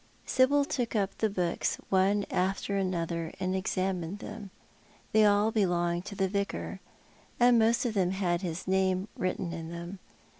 Sibyl took np the books one after another and examined them. They all belonged to the Vicar, and most of tliem had his name written in them.